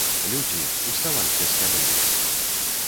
Людзі, уставайце з каленяў!